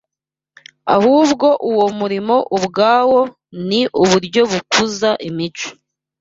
ahubwo uwo murimo ubwawo ni uburyo bukuza imico